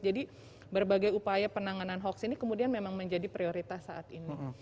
jadi berbagai upaya penanganan hoax ini kemudian memang menjadi prioritas saat ini